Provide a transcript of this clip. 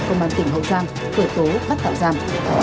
công an tỉnh hậu giang khởi tố bắt tạm giam